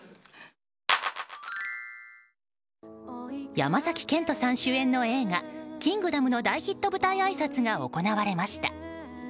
山崎賢人さん主演の映画「キングダム」の大ヒット舞台挨拶が行われました。